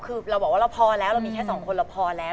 คือเราบอกว่าเราพอแล้วเรามีแค่สองคนเราพอแล้ว